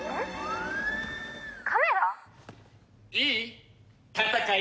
いい？